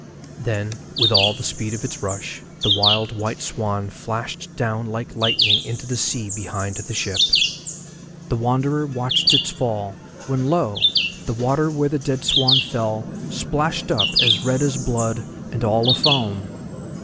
Then, with all the speed of its rush, the wild white swan flashed down like lightning into the sea behind the ship. The Wanderer watched its fall, when, lo! the water where the dead swan fell splashed up as red as blood and all afoam!